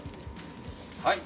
はい。